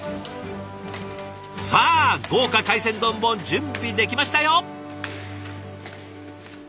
さあ豪華海鮮丼も準備できましたよ！